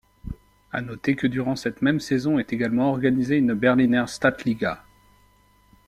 À noter que durant cette même saison est également organisée une Berliner Stadtliga.